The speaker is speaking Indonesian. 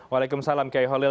waalaikumsalam kiai holil